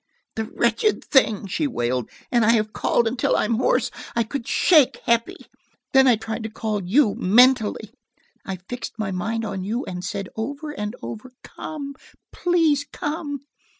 "The wretched thing!" she wailed. "And I have called until I am hoarse. I could shake Heppie! Then I tried to call you mentally. I fixed my mind on you and said over and over, 'Come, please come.'